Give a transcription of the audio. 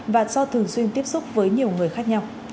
và do thường xuyên tiếp xúc với nhiều người khác nhau